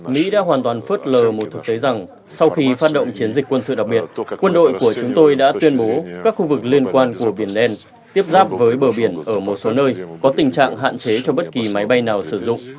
mỹ đã hoàn toàn phớt lờ một thực tế rằng sau khi phát động chiến dịch quân sự đặc biệt quân đội của chúng tôi đã tuyên bố các khu vực liên quan của biển đen tiếp giáp với bờ biển ở một số nơi có tình trạng hạn chế cho bất kỳ máy bay nào sử dụng